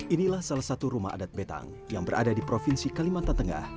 inilah salah satu rumah adat betang yang berada di provinsi kalimantan tengah